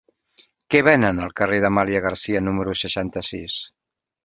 Què venen al carrer d'Amàlia Garcia número seixanta-sis?